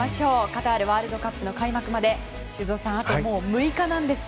カタールワールドカップの開幕まで、修造さんあと６日なんです。